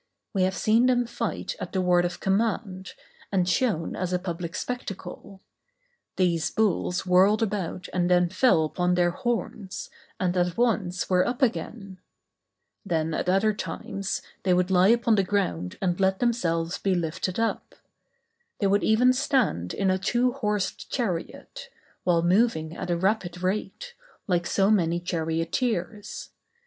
We have seen them fight at the word of command, and shown as a public spectacle; these bulls whirled about and then fell upon their horns, and at once were up again; then, at other times, they would lie upon the ground and let themselves be lifted up; they would even stand in a two horsed chariot, while moving at a rapid rate, like so many charioteers.